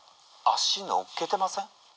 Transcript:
足のっけてません？